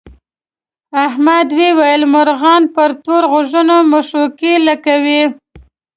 احمد وویل مرغان پر تور غوږو مښوکې لکوي.